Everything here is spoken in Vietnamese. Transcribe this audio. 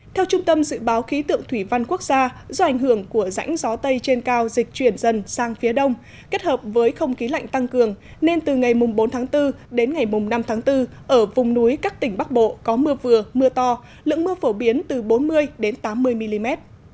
theo trung tâm dự báo khí tượng thủy văn quốc gia do ảnh hưởng của rãnh gió tây trên cao dịch chuyển dần sang phía đông kết hợp với không khí lạnh tăng cường nên từ ngày bốn tháng bốn đến ngày năm tháng bốn ở vùng núi các tỉnh bắc bộ có mưa vừa mưa to lượng mưa phổ biến từ bốn mươi tám mươi mm